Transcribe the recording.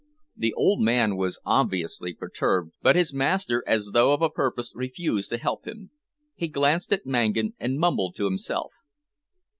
The old man was obviously perturbed, but his master, as though of a purpose, refused to help him. He glanced at Mangan and mumbled to himself.